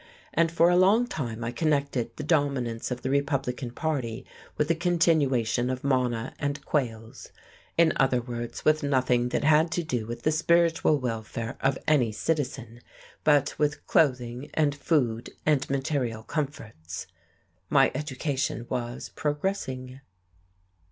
And for a long time I connected the dominance of the Republican Party with the continuation of manna and quails, in other words, with nothing that had to do with the spiritual welfare of any citizen, but with clothing and food and material comforts. My education was progressing....